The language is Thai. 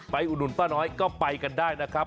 อุดหนุนป้าน้อยก็ไปกันได้นะครับ